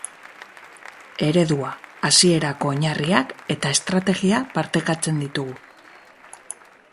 Eredua, hasierako oinarriak eta estrategia partekatzen ditugu.